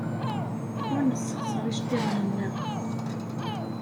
Ur nessexṣer iceḍḍiḍen-nneɣ.